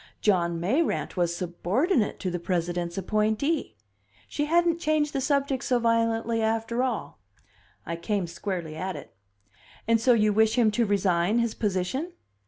John Mayrant was subordinate to the President's appointee! She hadn't changed the subject so violently, after all. I came squarely at it. "And so you wish him to resign his position?"